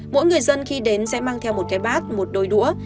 mỗi người dân khi đến sẽ mang theo một cái bát một đôi đũa